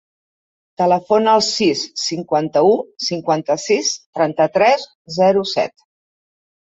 Telefona al sis, cinquanta-u, cinquanta-sis, trenta-tres, zero, set.